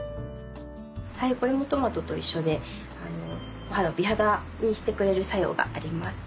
はいこれもトマトと一緒で美肌にしてくれる作用があります。